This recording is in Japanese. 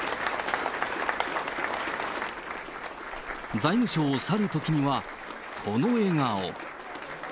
財務省を去るときには、この笑顔。